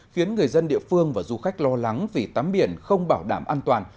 khiến người dân địa phương và du khách lo lắng vì tắm biển không bảo đảm an toàn